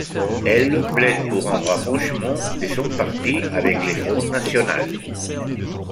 Elle plaide pour un rapprochement de son parti avec le Front national.